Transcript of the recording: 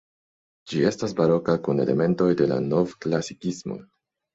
Ĝi estas baroka kun elementoj de la novklasikismo.